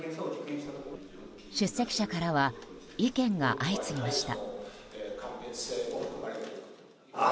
出席者からは意見が相次ぎました。